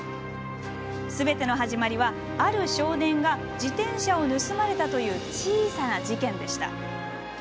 すべての始まりはある少年が自転車を盗まれたという小さな事件でした。